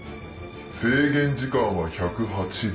制限時間は１０８秒。